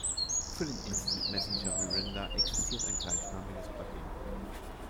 Für den Instant Messenger Miranda existiert ein gleichnamiges Plugin.